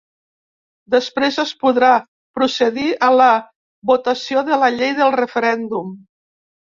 Després es podrà procedir a la votació de la llei del referèndum.